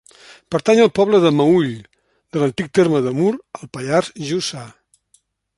Pertany al poble del Meüll, de l'antic terme de Mur, al Pallars Jussà.